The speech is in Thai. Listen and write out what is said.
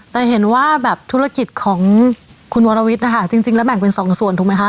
แต่เห็นว่าแบบธุรกิจของคุณวรวิทย์นะคะจริงแล้วแบ่งเป็นสองส่วนถูกไหมคะ